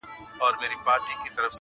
دې ساحل باندي څرک نسته د بيړیو٫